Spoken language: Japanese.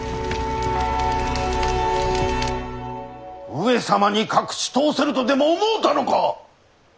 上様に隠し通せるとでも思うたのか！